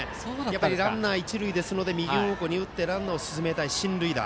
ランナーが一塁ですので右方向に打ってランナーを進めたい進塁打。